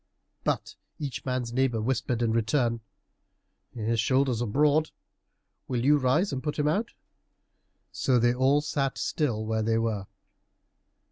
But each man's neighbor whispered in return, "His shoulders are broad; will you rise and put him out?" So they all sat still where they were.